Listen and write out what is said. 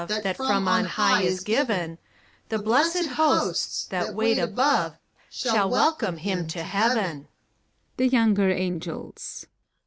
25a That from On High is given, The Blessed Hosts, that wait above, Shall welcome him to Heaven